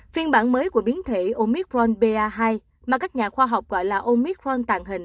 phiên bản mới của biến thể omicron ba hai mà các nhà khoa học gọi là omicron tàng hình